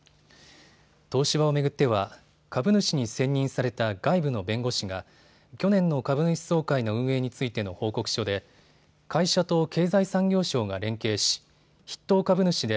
東芝を巡っては株主に選任された外部の弁護士が去年の株主総会の運営についての報告書で会社と経済産業省が連携し筆頭大株主で